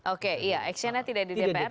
oke iya actionnya tidak di dpr